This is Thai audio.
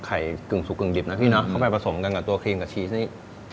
ไข่กึ่งสุกกึ่งดีบเข้าไปผสมกันกับตัวครีมกับแผงนี่